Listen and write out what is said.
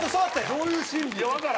どういう心理？